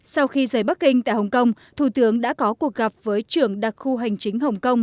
sau khi rời bắc kinh tại hồng kông thủ tướng đã có cuộc gặp với trưởng đặc khu hành chính hồng kông